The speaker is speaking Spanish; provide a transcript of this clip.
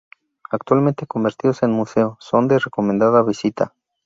Actualmente convertidos en museo, son de recomendada visita.